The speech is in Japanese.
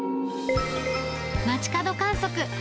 街角観測。